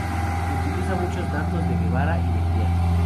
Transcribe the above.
Utiliza muchos datos de Guevara y Mejía.